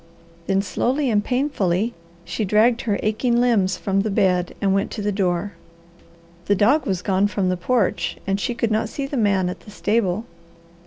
Then, slowly and painfully, she dragged her aching limbs from the bed and went to the door. The dog was gone from the porch and she could not see the man at the stable.